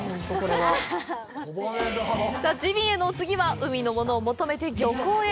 ジビエの次は海のものを求めて漁港へ！